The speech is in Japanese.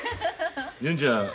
純ちゃん